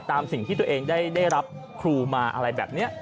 ตามสิ่งที่ตัวเองได้รับครูมาอะไรแบบนี้